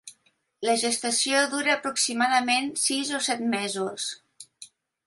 La gestació dura aproximadament sis o set mesos.